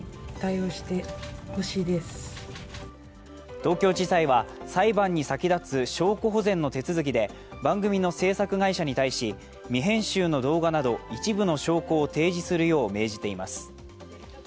東京地裁は、裁判に先立つ証拠保全の手続きで番組の制作会社に対し未編集の動画など一部の証拠を提示するよう命じています。